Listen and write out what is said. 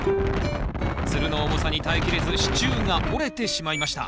つるの重さに耐えきれず支柱が折れてしまいました。